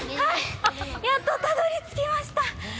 やっとたどりつきました。